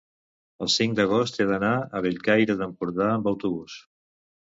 el cinc d'agost he d'anar a Bellcaire d'Empordà amb autobús.